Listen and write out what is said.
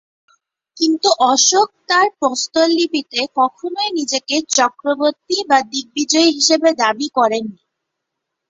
কিন্তু অশোক তাঁর প্রস্তরলিপিতে কখনোই নিজেকে চক্রবর্তী বা দিগ্বিজয়ী হিসেবে দাবি করেন নি।